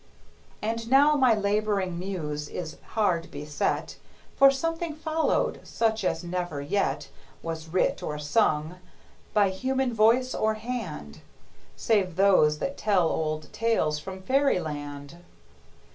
And now my laboring muse is hard beset, For something followed such as never yet Was writ or sung, by human voice or hand, Save those that tell old tales from Fairyland.